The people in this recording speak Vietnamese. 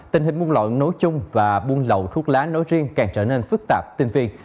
hình buôn lợn nối chung và buôn lậu thuốc lá nối riêng càng trở nên phức tạp tinh viên